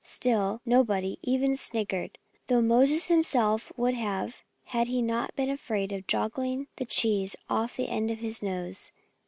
] Still nobody even snickered though Moses himself would have had he not been afraid of joggling the cheese off the end of his nose.